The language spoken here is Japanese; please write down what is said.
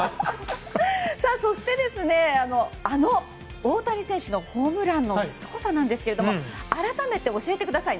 そしてあの大谷選手のホームランのすごさなんですけど改めて教えてください。